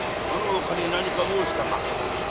「そのほかに何か申したか？」。